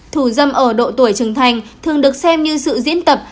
thủ dâm ở độ tuổi trưởng thành thường được xem như sự diễn tập